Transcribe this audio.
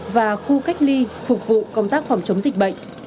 và khu cách ly phục vụ công tác phòng chống dịch bệnh